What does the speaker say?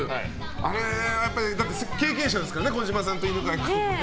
あれはやっぱり経験者ですからね児嶋さんと犬飼君も。